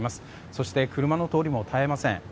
そして車の通りも絶えません。